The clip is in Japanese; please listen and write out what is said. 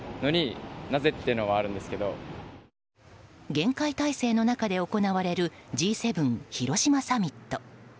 厳戒態勢の中で行われるＧ７広島サミット。